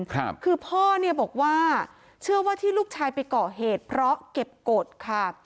คือพ่อเนี่ยบอกว่าเชื่อว่าที่ลูกชายไปก่อเหตุเพราะเก็บกฎค่ะ